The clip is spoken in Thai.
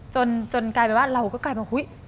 จนกลายเป็นว่าเราก็กลายมาอุ๊ย